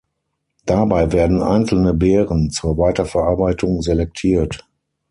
Dabei werden einzelne Beeren zur Weiterverarbeitung selektiert.